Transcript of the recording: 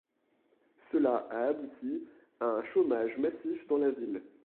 Cela a abouti à un chômage massif dans la ville.